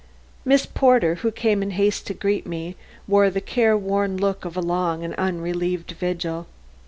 Miss Porter, who came in haste to greet me, wore the careworn look of a long and unrelieved vigil.